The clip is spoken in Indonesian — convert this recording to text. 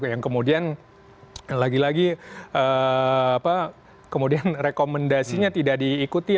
yang kemudian lagi lagi kemudian rekomendasinya tidak diikuti